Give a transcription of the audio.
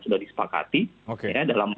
sudah disepakati ya dalam